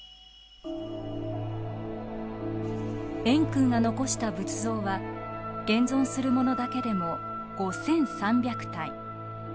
円空が残した仏像は現存するものだけでも５，３００体。